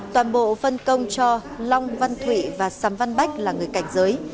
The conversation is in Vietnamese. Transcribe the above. toàn bộ phân công cho long văn thủy và sầm văn bách là người cảnh giới